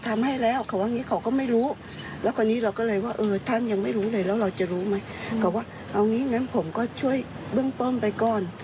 ดำเนินการลงกว่าศาสตร์พื้นที่บริเวณติด